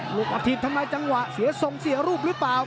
ลูกอาทิตย์ทำไมจังหวะเสียทรงเสียรูปหรือเปล่า